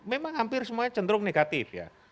memang hampir semuanya cenderung negatif ya